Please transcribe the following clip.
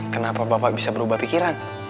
kenapa bapak bisa berubah pikiran